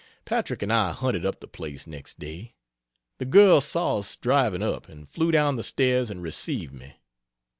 Patrick and I hunted up the place, next day; the girl saw us driving up, and flew down the stairs and received me.